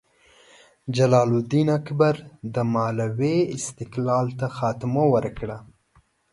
جلال الدین اکبر د مالوې استقلال ته خاتمه ورکړه.